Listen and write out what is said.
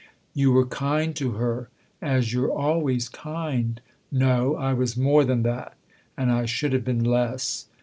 "You were kind to her as you're always kind." " No ; I was more than that. And I should have been less."